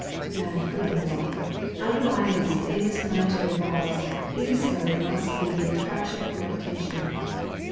And, furthermore, underlying these famous planetary laws he discovered must be the attraction of gravitation.